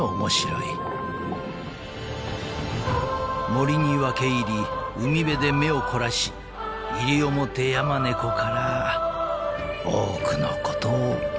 ［森に分け入り海辺で目を凝らしイリオモテヤマネコから多くのことを学ぶといい］